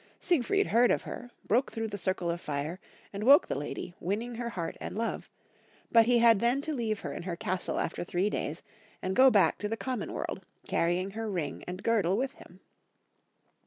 Siegfried heard of her, broke through the circle of fire, and woke the lady, winning her heart and love ; but he had then to leave her in her castle after three days and go back to the com mon world, carrying her ring and girdle with him.